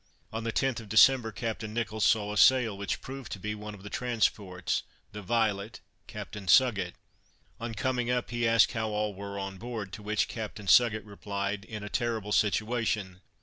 On the 10th of December, Captain Nicholls saw a sail, which proved to be one of the transports, the Violet, Captain Sugget. On coming up he asked how all were on board, to which Captain Sugget replied, "In a terrible situation.